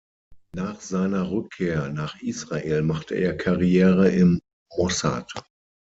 Nach seiner Rückkehr nach Israel machte er Karriere im Mossad.